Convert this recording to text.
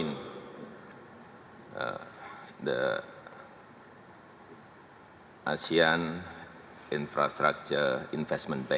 dengan bank pembangunan infrastruktur asia